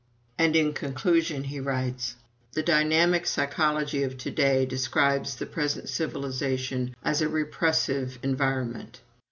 And in conclusion, he states: "The dynamic psychology of to day describes the present civilization as a repressive environment.